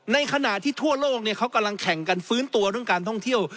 ในขณะที่ทั่วโลกเขากำลังแข่งกันฟื้นตัวเรื่องการท่องเที่ยว